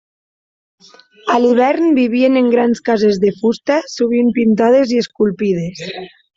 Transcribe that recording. A l'hivern vivien en grans cases de fusta sovint pintades i esculpides.